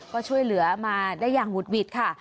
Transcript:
ก็ช่วยเหลือมาได้อย่างหุดหวิดค่ะ